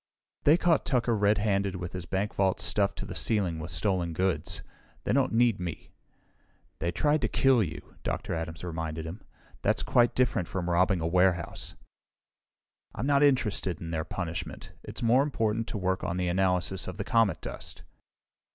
"They caught Tucker redhanded with his bank vault stuffed to the ceiling with stolen goods. They don't need me!" "They tried to kill you," Dr. Adams reminded him. "That's quite different from robbing a warehouse." "I'm not interested in their punishment. It's more important to work on the analysis of the comet dust."